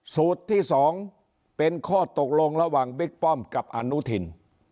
สูตรที่๒เป็นข้อตกลงระหว่างบิ๊กป้อมกับอนุทิน